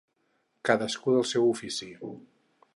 Cadascú del seu ofici.